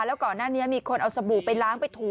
แล้วก่อนหน้านี้มีคนเอาสบู่ไปล้างไปถู